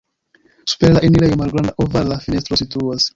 Super la enirejo malgranda ovala fenestro situas.